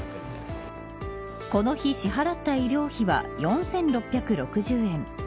この日、支払った医療費は４６６０円。